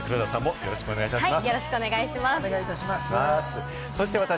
よろしくお願いします。